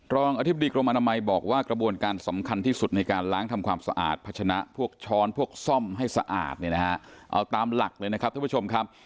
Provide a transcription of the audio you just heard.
รองอธิบดีกรมอนามัยบอกว่ากระบวนการสำคัญที่สุดในการล้างทำความสะอาดพัชนะพวกช้อนพวกซ่อมให้สะอาดเนี่ยนะฮะเอาตามหลักเลยนะครับท่านผู้ชมครับ